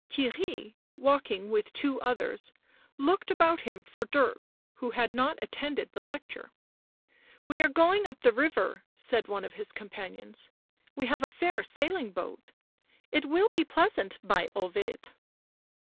Theirry, walking with two others, looked about him for Dirk, who had not attended the lecture. " We arc going up the river," said one of his com panions. " We have a fair sailing boat — it will be pleasant, by Ovid